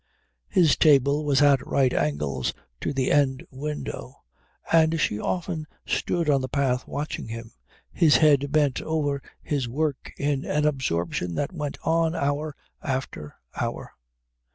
His table was at right angles to the end window, and she often stood on the path watching him, his head bent over his work in an absorption that went on hour after hour.